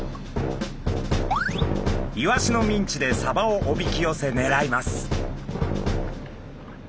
イワシのミンチでサバをおびき寄せねらいます。